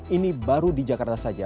ini baru di jakarta saja